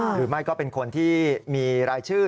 หรือไม่ก็เป็นคนที่มีรายชื่อ